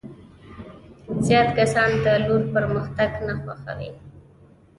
زیات کسان د لور پرمختګ نه خوښوي.